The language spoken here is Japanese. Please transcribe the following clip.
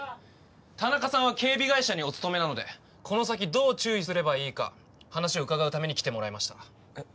田中さんは警備会社にお勤めなのでこの先どう注意すればいいか話を伺うために来てもらいましたえっ